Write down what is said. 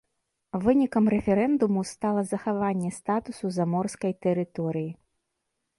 Вынікам рэферэндуму стала захаванне статусу заморскай тэрыторыі.